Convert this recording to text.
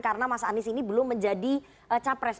karena mas anies ini belum menjadi capres